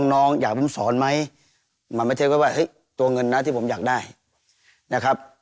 น้องอยากเพิ่งสอนไหมมันไม่ใช่ว่าตัวเงินนะที่ผมอยากได้นะครับ